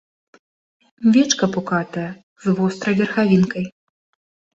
Вечка пукатае, з вострай верхавінкай.